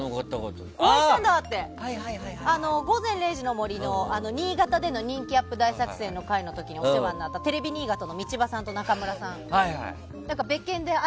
「午前０時の森」での新潟での人気アップ大作戦の時にお世話になったテレビ新潟の道場さんと中村さん。